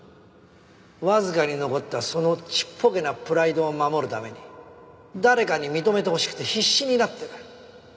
わずかに残ったそのちっぽけなプライドを守るために誰かに認めてほしくて必死になってる。